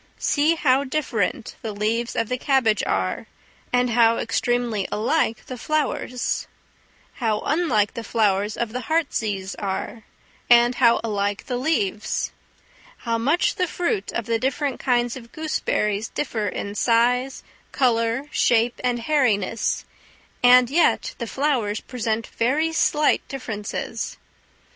See how different the leaves of the cabbage are, and how extremely alike the flowers; how unlike the flowers of the heartsease are, and how alike the leaves; how much the fruit of the different kinds of gooseberries differ in size, colour, shape, and hairiness, and yet the flowers present very slight differences.